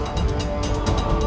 mbak lampati saya akan menjaga istana